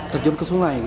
terjun ke sungai